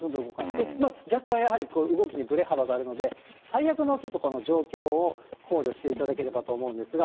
若干やはり動きにぶれ幅があるので、最悪のこの状況を考慮していただければと思うんですが。